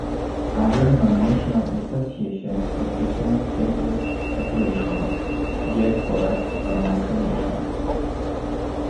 Other non-national associations represent stateless populations, diasporas or micronations.